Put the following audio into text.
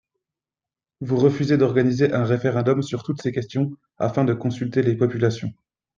Vous refusez d’organiser un référendum sur toutes ces questions afin de consulter les populations.